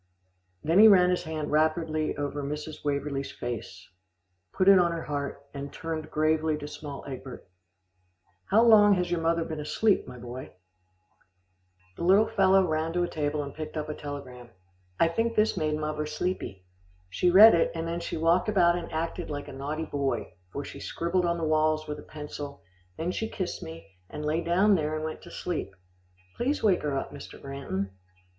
Then he ran his hand rapidly over Mrs. Waverlee's face, put it on her heart, and turned gravely to small Egbert: "How long has your mother been asleep, my boy?" The little fellow ran to a table, and picked up a telegram. "I think this made muvver sleepy. She read it, then she walked about and acted like a naughty boy, for she scribbled on the walls with a pencil, then she kissed me, and lay down there and went to sleep. Please wake her up, Mr. Granton."